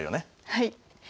はい。